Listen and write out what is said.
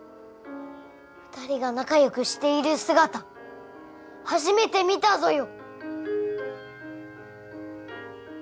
２人が仲良くしている姿初めて見たぞよ！